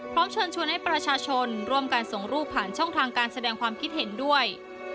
เชิญชวนให้ประชาชนร่วมการส่งรูปผ่านช่องทางการแสดงความคิดเห็นด้วย